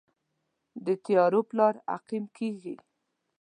د تیارو پلار عقیم کیږي